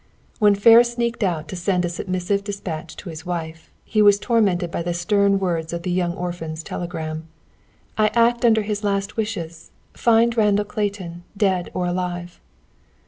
When Ferris sneaked out to send a submissive dispatch to his wife, he was tormented by the stern words of the young orphan's telegram. "I act under his last wishes. Find Randall Clayton, dead or alive."